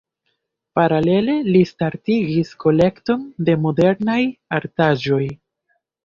Paralele li startigis kolekton de modernaj artaĵoj.